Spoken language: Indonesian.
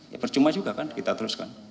ya percuma juga kan kita teruskan